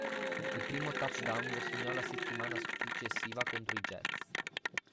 Il primo touchdown lo segnò la settimana successiva contro i Jets.